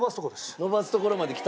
のばすところまできた。